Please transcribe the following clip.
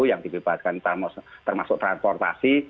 yang dibebaskan termasuk transportasi